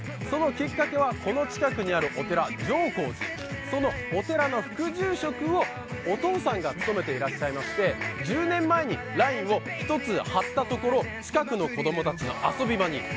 そのきっかけは、この近くにあるお寺・浄光寺そのお寺の副住職をお父さんが務めてらして１０年前にラインを１つ張ったところ近くの子供たちの遊び場に。